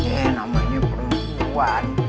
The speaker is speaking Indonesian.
eh namanya perempuan